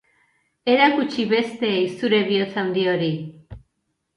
Erakutsi besteei zure bihotz handi hori.